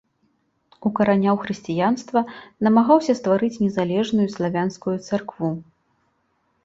Укараняў хрысціянства, намагаўся стварыць незалежную славянскую царкву.